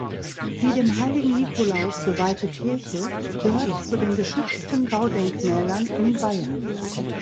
Die dem heiligen Nikolaus geweihte Kirche gehört zu den geschützten Baudenkmälern in Bayern.